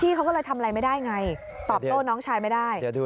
เขาก็เลยทำอะไรไม่ได้ไงตอบโต้น้องชายไม่ได้